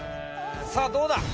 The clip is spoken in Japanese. さあどうだ！